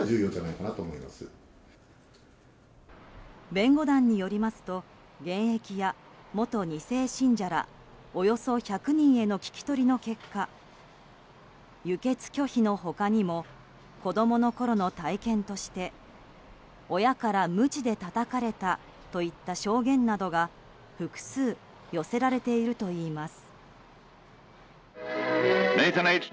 弁護団によりますと現役や元２世信者らおよそ１００人への聞き取りの結果輸血拒否の他にも子供のころの体験として親からむちでたたかれたといった証言などが複数寄せられているといいます。